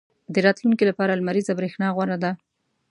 • د راتلونکي لپاره لمریزه برېښنا غوره ده.